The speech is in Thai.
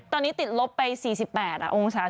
ตอนนี้ติดลบไป๔๘องศาเชียวเชียว